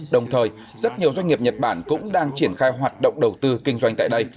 đồng thời rất nhiều doanh nghiệp nhật bản cũng đang triển khai hoạt động đầu tư kinh doanh tại đây